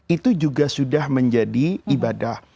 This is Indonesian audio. itu juga sudah menjadi ibadah